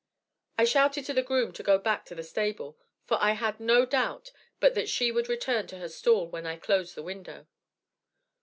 I shouted to the groom to go back to the stable, for I had no doubt but that she would return to her stall when I closed the window.